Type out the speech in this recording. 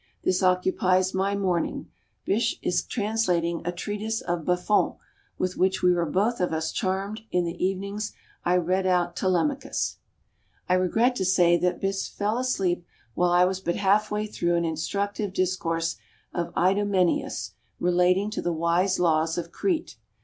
This occupies my morning. Bysshe is translating a treatise of Buffon, with which we were both of us charmed. In the evenings I read out "Telemachus." I regret to say that Bysshe fell asleep while I was but half way through an instructive discourse of Idomeneius relating to the wise laws of Crete.